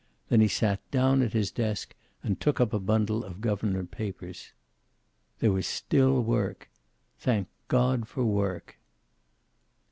Then he sat down at his desk and took up a bundle of government papers. There was still work. Thank God for work.